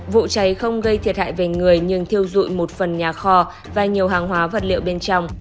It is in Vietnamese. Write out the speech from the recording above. vụ cháy không gây thiệt hại về người nhưng thiêu dụi một phần nhà kho và nhiều hàng hóa vật liệu bên trong